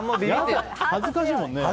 恥ずかしいもんね。